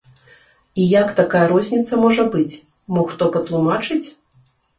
І як такая розніца можа быць, мо хто патлумачыць?